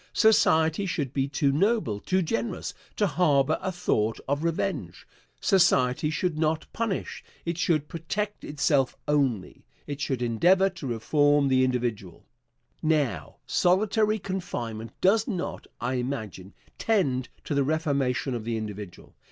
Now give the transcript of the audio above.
Society should be too noble, too generous, to harbor a thought of revenge. Society should not punish, it should protect itself only. It should endeavor to reform the individual. Now, solitary confinement does not, I imagine, tend to the reformation of the individual.